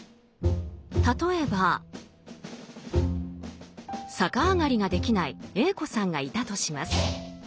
例えば逆上がりができないＡ子さんがいたとします。